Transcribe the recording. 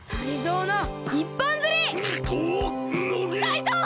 タイゾウ！